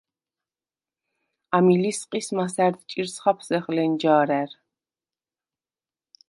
ამი ლისყის მასა̈რდ ჭირს ხაფსეხ ლენჯა̄რა̈რ.